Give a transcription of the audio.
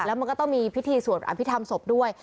แล้วมันก็ต้องมีพิธีสวดอภิษฐรรมศพด้วย